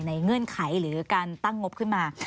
เงื่อนไขหรือการตั้งงบขึ้นมา